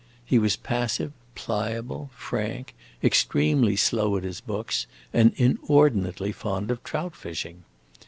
He was passive, pliable, frank, extremely slow at his books, and inordinately fond of trout fishing.